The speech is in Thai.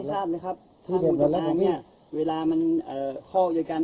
ถ้าฮุนกระตานนี้เวลามันข้อกอย่างกัน